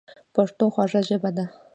پښتو خوږه ژبه ده